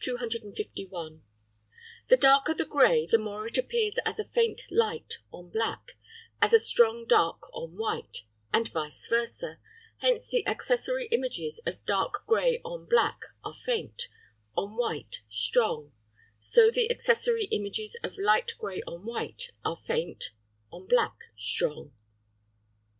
(16.) 251. The darker the grey the more it appears as a faint light on black, as a strong dark on white, and vice versâ; hence the accessory images of dark grey on black are faint, on white strong: so the accessory images of light grey on white are faint, on black strong.